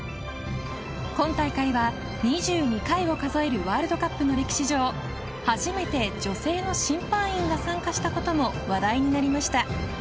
今大会は２２回を数えるワールドカップの歴史上初めて女性の審判員が参加したことも話題になりました。